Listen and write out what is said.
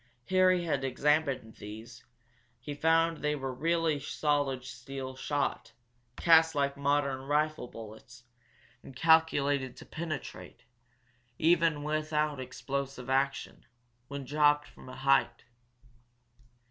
Harry had examined these he found they were really solid steel shot, cast like modern rifle bullets, and calculated to penetrate, even without explosive action, when dropped from a height.